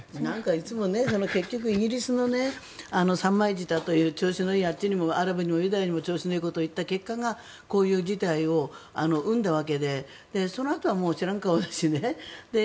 いつも結局イギリスの三枚舌という調子のいい、あっちにもアラブにもユダヤにも調子のいいことを言った結果がこういう事態を生んだわけでそのあとは知らん顔して。